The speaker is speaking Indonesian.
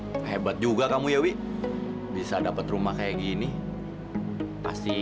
udah gak usah kamu pegang pegang tangan saya